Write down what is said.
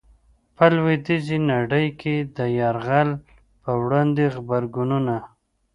په لويديځي نړۍ کي د يرغل په وړاندي غبرګونونه